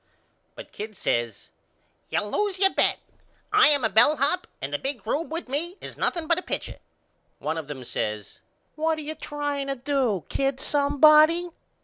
But Kid says You lose your bet. I am a bellhop and the big rube with me is nothing but a pitcher. One of them says What are you trying to do kid somebody?